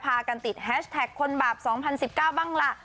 พากันติดแฮชแท็กคนบาป๒๐๑๙บ้างล่ะ